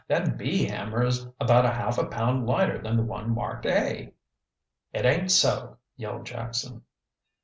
"That B hammer is about half a pound lighter than the one marked A." "It ain't so!" yelled Jackson.